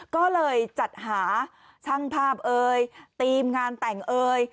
ก็เลยจัดหาช่างภาพเอ่ยทีมงานแต่งเอ่ย